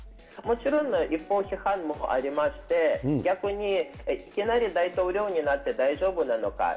もちろん、一方、批判もありまして、逆に、いきなり大統領になって大丈夫なのか。